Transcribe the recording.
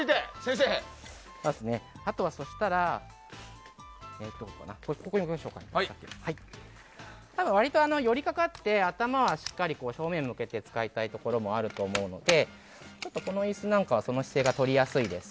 あとは、割と寄りかかって頭はしっかり正面を向けて使いたいところもあると思うのでこの椅子なんかはその姿勢がとりやすいです。